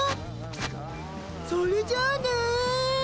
それじゃあね。